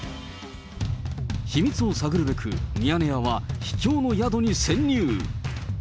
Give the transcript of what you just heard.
秘密を探るべく、ミヤネ屋は、秘境の宿に潜入。